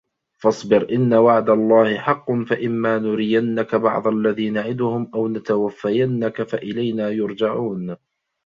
فَاصبِر إِنَّ وَعدَ اللَّهِ حَقٌّ فَإِمّا نُرِيَنَّكَ بَعضَ الَّذي نَعِدُهُم أَو نَتَوَفَّيَنَّكَ فَإِلَينا يُرجَعونَ